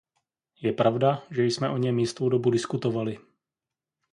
Je pravda, že jsme o něm jistou dobu diskutovali.